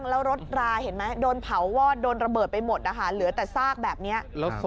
เอิ่มไปเลย